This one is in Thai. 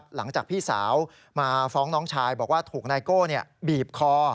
หลังจากพี่สาวมาฟ้องน้องชายบอกว่าถูกนายโก้บีบคอ